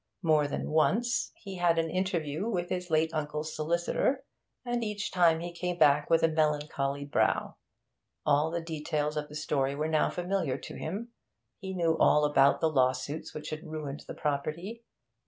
More than once he had an interview with his late uncle's solicitor, and each time he came back with melancholy brow. All the details of the story were now familiar to him; he knew all about the lawsuits which had ruined the property.